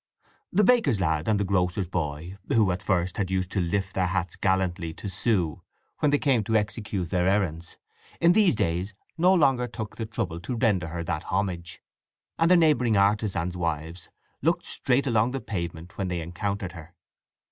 The baker's lad and the grocer's boy, who at first had used to lift their hats gallantly to Sue when they came to execute their errands, in these days no longer took the trouble to render her that homage, and the neighbouring artizans' wives looked straight along the pavement when they encountered her.